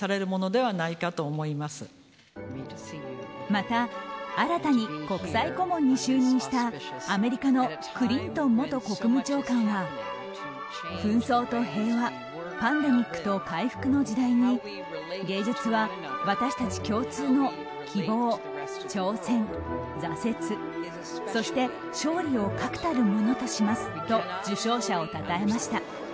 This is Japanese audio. また、新たに国際顧問に就任したアメリカのクリントン元国務長官は紛争と平和パンデミックと回復の時代に芸術は私たち共通の希望挑戦、挫折そして勝利を確たるものとしますと受賞者をたたえました。